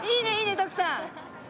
徳さん！